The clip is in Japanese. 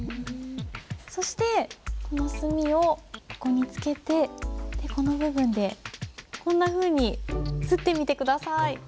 そしてこの墨をここにつけてこの部分でこんなふうに磨ってみて下さい。